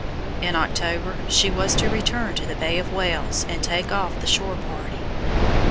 In October she was to return to the Bay of Whales and take off the shore party.